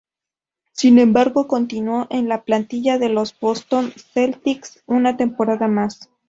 Sin embargo, continuó en la plantilla de los Boston Celtics una temporada más.